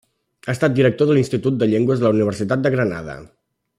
Ha estat director de l'Institut de Llengües de la Universitat de Granada.